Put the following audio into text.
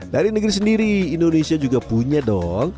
dari negeri sendiri indonesia juga punya dong